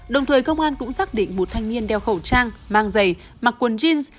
đồng thời công an cũng xác định một thanh niên đeo khẩu trang mang giày mặc quần jeans